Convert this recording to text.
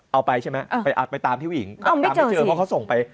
เอาไปใช่ไหมเออไปอัดไปตามผู้หญิงก็ไม่เจอเพราะเขาส่งไป